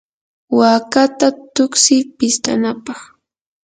waakata tuksiy pistanapaq.